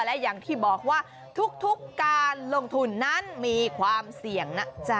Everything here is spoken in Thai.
และอย่างที่บอกว่าทุกการลงทุนนั้นมีความเสี่ยงนะจ๊ะ